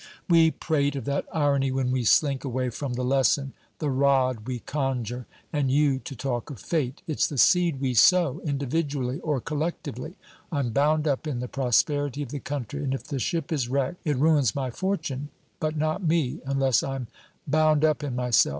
We prate of that irony when we slink away from the lesson the rod we conjure. And you to talk of Fate! It's the seed we sow, individually or collectively. I'm bound up in the prosperity of the country, and if the ship is wrecked, it ruins my fortune, but not me, unless I'm bound up in myself.